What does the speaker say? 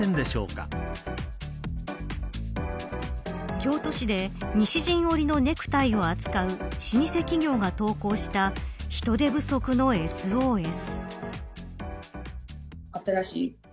京都市で西陣織のネクタイを扱う老舗企業が投稿した人手不足のＳＯＳ。